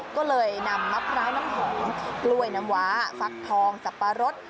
ก็เลยนำมะพร้าวน้ำหอมกล้วยน้ำว้าฟักทองสับปะรด